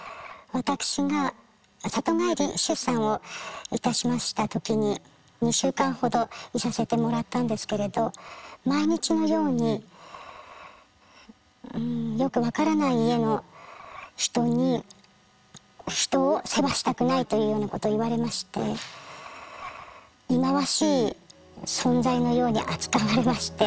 私が里帰り出産をいたしました時に２週間ほどいさせてもらったんですけれど毎日のようにうんよく分からない家の人を世話したくないというようなことを言われましてその他の意地悪は？